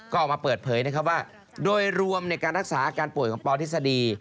ก็ออกมาเปิดเผยนะครับว่าโดยรวมในการรักษาอาการป่วยของปทฤษฎี